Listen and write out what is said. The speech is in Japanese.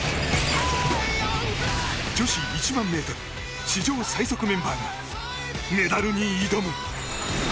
女子１００００ｍ史上最速メンバーがメダルに挑む。